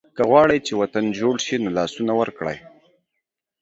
که غواړئ چې وطن جوړ شي نو لاسونه ورکړئ.